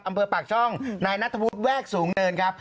อำเภอปากช่องนายนัทวุฒิแวกสูงเนินครับ